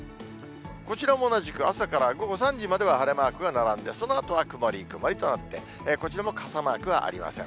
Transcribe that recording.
こちらも同じく朝から午後３時までは晴れマークが並んで、そのあとは曇り、曇りとなって、こちらも傘マークはありません。